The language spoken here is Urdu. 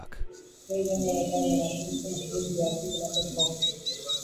گے جن کا نواز شریف سے مختلف وجوہات کی بناء پہ بغض ہو گا۔